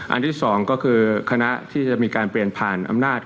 อันที่๒ก็คือคณะที่จะมีการเปลี่ยนผ่านอำนาจ